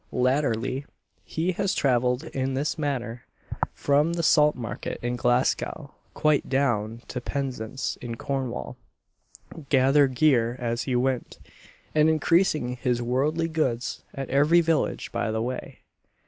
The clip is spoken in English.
Latterly he has travelled in this manner from the Salt market in Glasgow quite down to Penzance in Cornwall; gather gear as he went, and increasing his worldly goods at every village by the way.